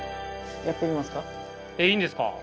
いいんですか？